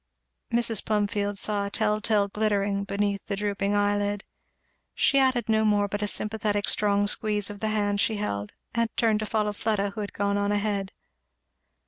Mrs. Plumfield saw a tell tale glittering beneath the drooping eye lid. She added no more but a sympathetic strong squeeze of the hand she held, and turned to follow Fleda who had gone on ahead.